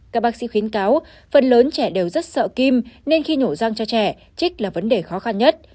các bác sĩ khuyến cáo phần lớn trẻ đều rất sợ kim nên khi nhổ răng cho trẻ trích là vấn đề khó khăn nhất